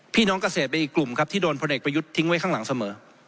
พี่น้องเกษตรเป็นอีกกลุ่มครับที่โดนพลเอกประยุทธ์ทิ้งไว้ข้างหลังเสมอ